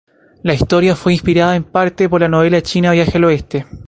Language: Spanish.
La historia fue inspirada en parte por la novela china Viaje al Oeste.